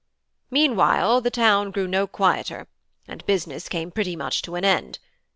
"Meantime the town grew no quieter, and business came pretty much to an end.